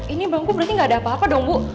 ini bangku berarti gak ada apa apa dong bu